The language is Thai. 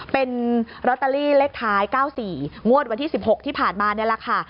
เป็นลอตเตอรี่เลขท้าย๙๔งวดวันที่๑๖ที่ผ่านมานี่แหละค่ะ